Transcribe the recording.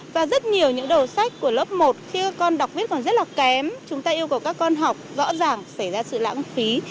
và rất nhiều những đầu sách của lớp một khi con đọc viết còn rất là kém chúng ta yêu cầu các con học rõ ràng xảy ra sự lãng phí